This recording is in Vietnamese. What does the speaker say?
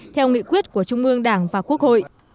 theo nghị quyết của trung ương đảng và quốc hội